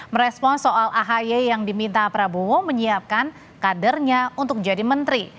merespon soal ahy yang diminta prabowo menyiapkan kadernya untuk jadi menteri